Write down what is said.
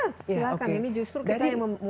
silahkan ini justru kita yang